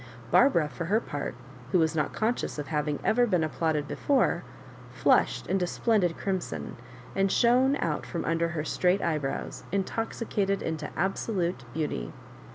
Barbara, for her part, who was not conscious of having ever been applauded before, flushed into splendid crimson, and shone out from under her straight eyebrows, intoxicated into absolute beauty.